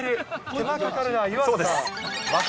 手間かかるな、湯浅さん。